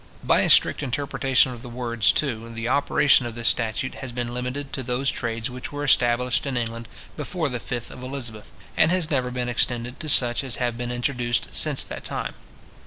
By a strict interpretation of the words, too, the operation of this statute has been limited to those trades which were established in England before the 5th of Elizabeth, and has never been extended to such as have been introduced since that time.